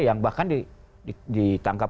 yang bahkan ditangkap